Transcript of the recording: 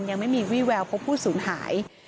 ยังไม่มีวี่แววพบผู้สูญหาย